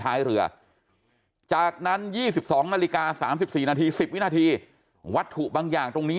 ท้ายเรือจากนั้น๒๒นาฬิกา๓๔นาที๑๐วินาทีวัตถุบางอย่างตรงนี้